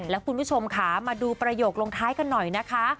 แล้วคุณผู้ชมค่ะมาดูประโยคลงท้ายกันหน่อยนะคะ